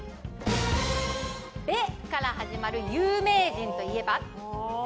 「べ」から始まる有名人といえば？